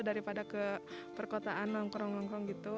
daripada ke perkotaan nongkrong nongkrong gitu